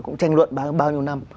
cũng tranh luận bao nhiêu năm